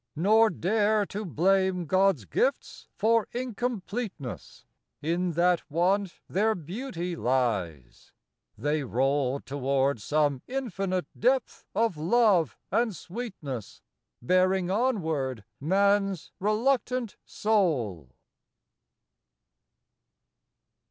Nor dare to blame God's gifts for incompleteness; In that want their beauty lies ; they roll Towards some infinite depth of love and sweetness, Bearing onward man's reluctant soul.